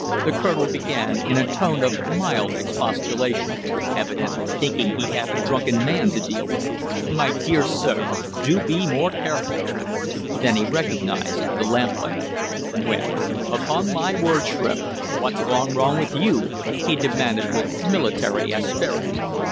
the colonel began in a tone of mild expostulation, evidently thinking he had a drunken man to deal with. "My dear sir, do be more careful " then he recognized the lamplighter. "Well, upon my word, Shrimp, what's gone wrong with you?" he demanded, with military asperity.